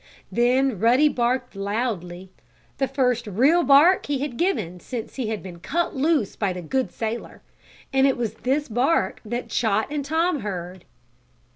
Then Ruddy barked loudly the first, real bark he had given since he had been cut loose by the good sailor. And it was this bark that Chot and Tom heard.